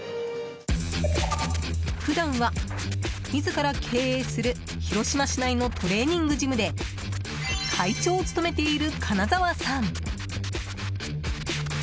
普段は、自ら経営する広島市内のトレーニングジムで会長を務めている金澤さん。